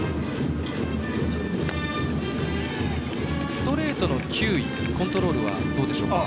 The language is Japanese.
ストレートの球威コントロールはどうでしょうか。